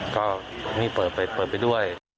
ก็อาจเปิดไปแล้ว